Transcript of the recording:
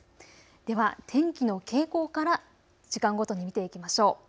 では天気の傾向から時間ごとに見ていきましょう。